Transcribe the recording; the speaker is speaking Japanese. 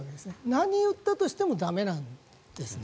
何を言ったとしても駄目なんですね。